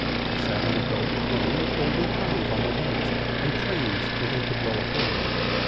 They sat on a velvet throne with golden crowns on their heads, and trains, for they could well afford it.